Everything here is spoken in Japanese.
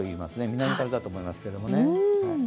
南風だと思いますけどね。